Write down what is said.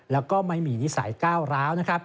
และไม่มีนิสัยก้าวร้าว